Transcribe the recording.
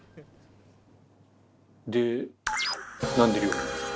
でなんで料理なんですか？